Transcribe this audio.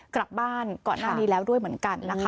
กลับบ้านก่อนหน้านี้แล้วด้วยเหมือนกัน